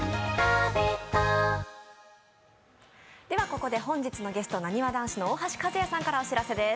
ここで本日のゲスト、なにわ男子の大橋和也さんからお知らせです。